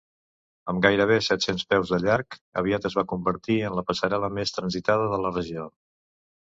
Amb gairebé set-cents peus de llarg, aviat es va convertir en la passarel·la més transitada de la regió.